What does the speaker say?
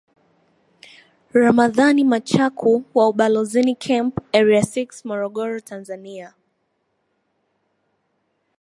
ramadhan machaku wa ubalozini camp area six morogoro tanzania